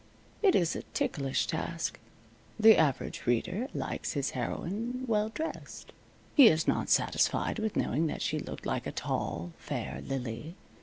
It is a ticklish task. The average reader likes his heroine well dressed. He is not satisfied with knowing that she looked like a tall, fair lily.